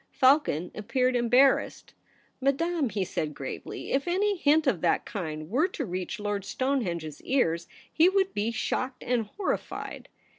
Falcon appeared embarrassed. ' Madame,' he said gravely, ' if any hint of that kind were to reach Lord Stonehenge's ears, he would be shocked and horrified.'